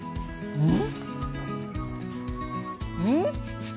うん？